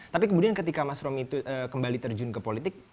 tapi kemudian ketika mas romy kembali terjun ke politik